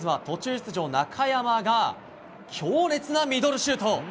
途中出場、中山が強烈なミドルシュート。